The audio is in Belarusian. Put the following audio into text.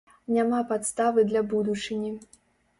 Няма падставы для будучыні.